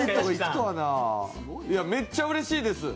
めっちゃうれしいです。